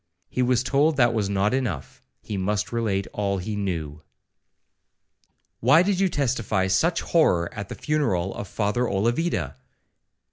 He was told that was not enough, he must relate all he knew. 'Why did you testify such horror at the funeral of Father Olavida?'